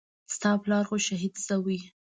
ستا پلار خو شهيد سوى.